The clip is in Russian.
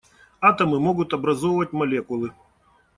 Атомы могут образовывать молекулы.